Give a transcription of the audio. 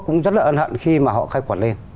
cũng rất là ân hận khi mà họ khai quật lên